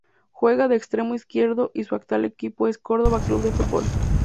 Juega de extremo izquierdo y su actual equipo es el Córdoba Club de Fútbol.